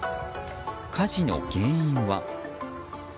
火事の原因は。